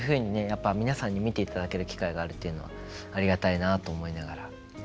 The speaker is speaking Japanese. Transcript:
やっぱり皆さんに見ていただける機会があるというのはありがたいなと思いながら。